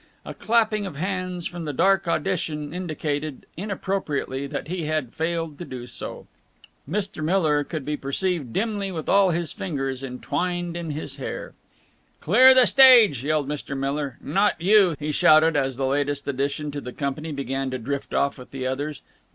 A clapping of hands from the dark auditorium indicated inappropriately that he had failed to do so. Mr. Miller could be perceived dimly with all his fingers entwined in his hair. "Clear the stage!" yelled Mr. Miller. "Not you!" he shouted, as the latest addition to the company began to drift off with the others.